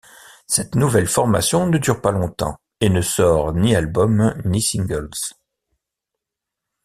Cette nouvelle formation ne dure pas longtemps et ne sort ni albums, ni singles.